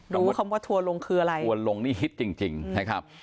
รู้คำว่าถั่วลงคืออะไรถั่วลงนี่ฮิตจริงจริงนะครับ